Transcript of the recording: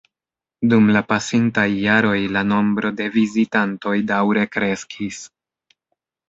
Dum la pasintaj jaroj la nombro de vizitantoj daŭre kreskis.